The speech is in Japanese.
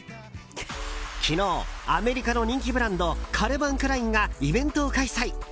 昨日、アメリカの人気ブランドカルバン・クラインがイベントを開催。